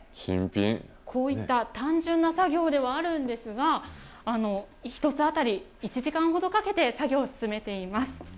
こういった単純な作業ではあるんですが、１つ当たり１時間以上かけて作業を進めています。